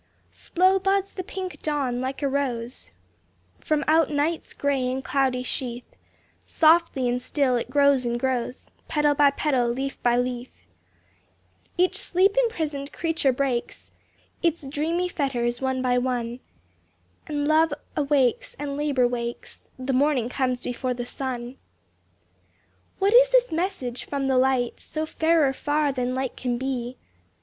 Slow buds the pink dawn like a rose From out night's gray and cloudy sheath; Softly and still it grows and grows, Petal by petal, leaf by leaf; Each sleep imprisoned creature breaks Its dreamy fetters, one by one, And love awakes, and labor wakes, The morning comes before the sun. What is this message from the light So fairer far than light can be?